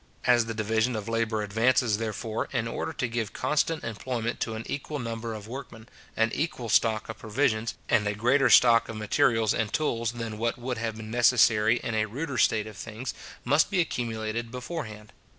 As the division of labour advances, therefore, in order to give constant employment to an equal number of workmen, an equal stock of provisions, and a greater stock of materials and tools than what would have been necessary in a ruder state of things, must be accumulated before hand.